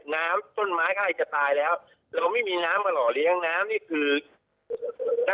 เขาต้องใช้เวลาตัดสินใจอยู่บ้างว่าเออเขาจะไปดีค่าสนุกบินเป็นยังไงอะไรยังไง